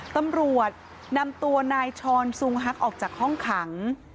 ตำรวจนำตัวนายชอนซุงฮักออกจากห้องขัง